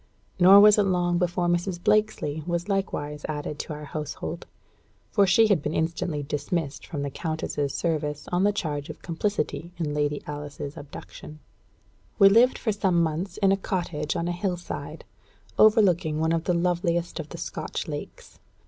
Nor was it long before Mrs. Blakesley was likewise added to our household, for she had been instantly dismissed from the countess's service on the charge of complicity in Lady Alice's abduction. We lived for some months in a cottage on a hill side, overlooking one of the loveliest of the Scotch lakes.